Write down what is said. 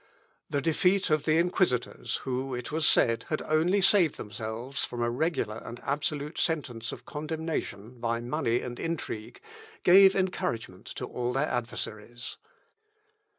The defeat of the inquisitors, who, it was said, had only saved themselves from a regular and absolute sentence of condemnation by money and intrigue, gave encouragement to all their adversaries.